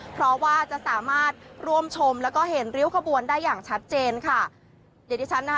เพราะว่าจะสามารถร่วมชมแล้วก็เห็นริ้วขบวนได้อย่างชัดเจนค่ะเดี๋ยวดิฉันนะคะ